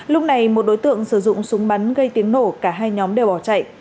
lúc này một đối tượng sử dụng súng bắn gây tiếng nổ cả hai nhóm đều bỏ chạy